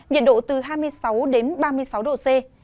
nhiệt độ từ hai mươi sáu đến ba mươi sáu độ c